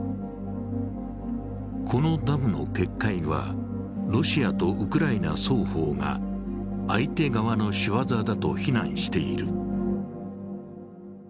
このダムの決壊はロシアとウクライナ双方が、相手側のしわざだと非難している。